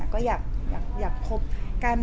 ก็อยากคบกัน